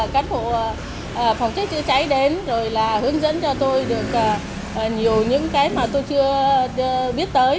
các bộ phòng chức chữa cháy đến rồi là hướng dẫn cho tôi được nhiều những cái mà tôi chưa biết tới